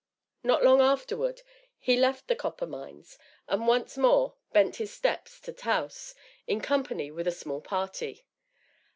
Not long afterward, he left the copper mines, and once more bent his steps to Taos, in company with a small party.